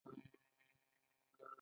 خو نتیجه يې ورنه کړل، زه ستړی شوم.